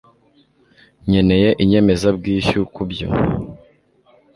nkeneye inyemezabwishyu kubyo